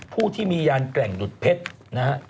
ผู้ที่มียานแกร่งดุดเพชรนะฮะ